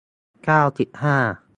เก้าสิบห้า